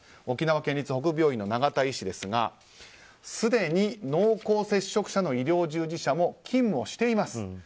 沖縄県立北部病院の永田医師ですがすでに濃厚接触者の医療従事者も勤務をしています。